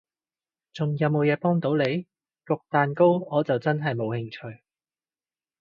仲有無嘢幫到你？焗蛋糕我就真係冇興趣